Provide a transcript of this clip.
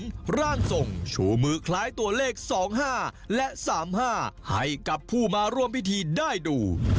ร่างทรงชูมือคล้ายตัวเลข๒๕และ๓๕ให้กับผู้มาร่วมพิธีได้ดู